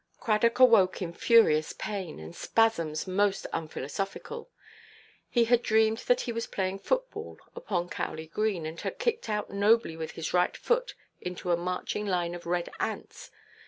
Cradock awoke in furious pain, and spasms most unphilosophical. He had dreamed that he was playing football upon Cowley Green, and had kicked out nobly with his right foot into a marching line of red ants.